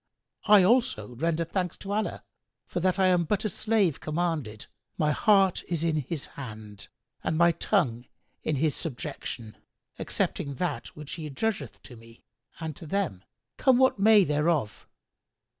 I also render thanks to Allah for that I am but a slave commanded; my heart is in His hand and my tongue in His subjection, accepting that which He adjudgeth to me and to them, come what may thereof.